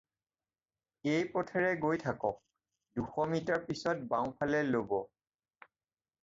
এই পথেৰে গৈ থাকক, দুশ মিটাৰ পিছত বাওঁফালে ল'ব।